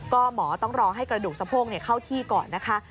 ก็หมอต้องรอให้กระดูกสะโพกเข้าที่ก่อนนะคะ